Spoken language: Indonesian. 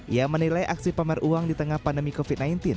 ia menilai aksi pamer uang di tengah pandemi covid sembilan belas